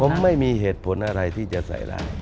ผมไม่มีเหตุผลอะไรที่จะใส่ร้าย